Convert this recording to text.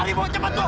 lari mau cepat tuh